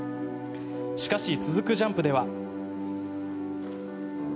しかし、続くジャンプでは。